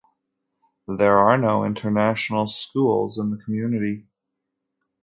There are no international schools in the community.